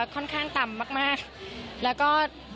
ค่อนข้างต่ำมากแล้วก็